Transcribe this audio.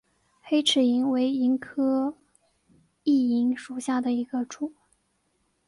黑翅萤为萤科熠萤属下的一个种。